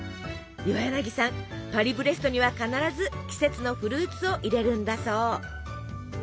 岩柳さんパリブレストには必ず季節のフルーツを入れるんだそう。